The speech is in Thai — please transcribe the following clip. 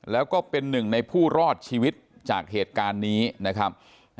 แล้วก็เป็นหนึ่งในผู้รอดชีวิตจากเหตุการณ์นี้นะครับ